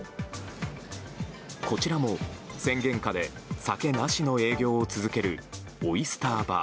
こちらも、宣言下で酒なしの営業を続けるオイスターバー。